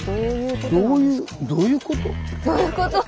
どういうどゆこと？